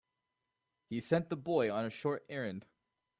He sent the boy on a short errand.